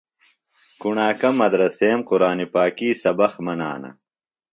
کُݨاکہ مدرسیم قُرآنی پاکی سبق منانہ۔